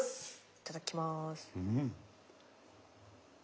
いただきます。